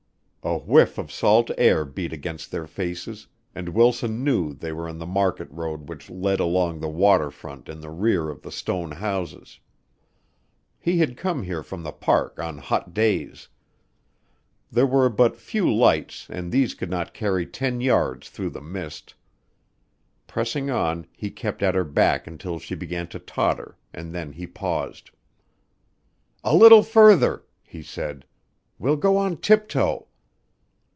A whiff of salt air beat against their faces, and Wilson knew they were in the market road which led along the water front in the rear of the stone houses. He had come here from the park on hot days. There were but few lights, and these could not carry ten yards through the mist. Pressing on, he kept at her back until she began to totter, and then he paused. "A little further," he said. "We'll go on tiptoe."